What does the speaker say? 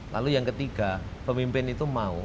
lalu yang ketiga pemimpin itu mau